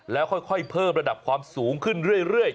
แล้วค่อยเพิ่มระดับความสูงขึ้นเรื่อย